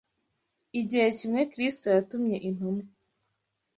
Igihe kimwe Kristo yatumye intumwa